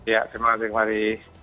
ya terima kasih mari